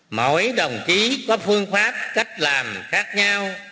mỗi đồng chí có phương pháp cách làm khác nhau